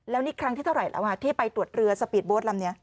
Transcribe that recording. แล้วนี่ครั้งที่เท่าไหร่แล้วที่ไปตรวจเรือสปีดโบ๊ทลำนี้